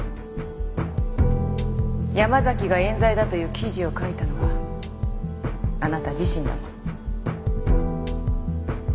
山崎が冤罪だという記事を書いたのはあなた自身だもの。